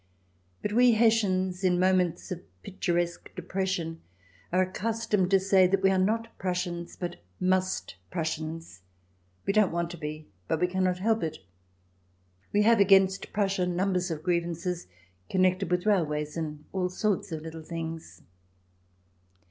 But we Hessians, in moments of pictur esque depression, are accustomed to say that we are not Prussians but " Must Prussians." We don't want to be, but we cannot help it. We have against Prussia numbers of grievances, connected with rail ways and all sorts of little things.